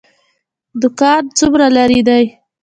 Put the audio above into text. دکان څومره لرې دی؟